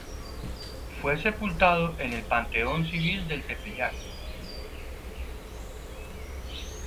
Fue sepultado en el panteón civil del Tepeyac.